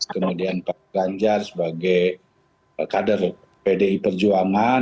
kemudian pak ganjar sebagai kader pdi perjuangan